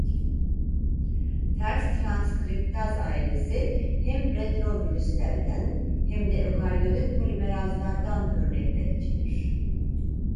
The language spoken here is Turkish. Ters transkriptaz ailesi hem retrovirüslerden hem de ökaryotik polimerazlardan örnekler içerir.